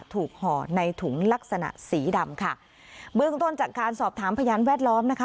ห่อในถุงลักษณะสีดำค่ะเบื้องต้นจากการสอบถามพยานแวดล้อมนะคะ